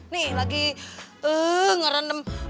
nih lagi ngerenem puyut